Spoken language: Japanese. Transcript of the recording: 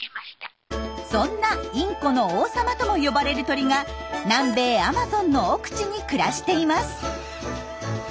そんなインコの王様とも呼ばれる鳥が南米アマゾンの奥地に暮らしています。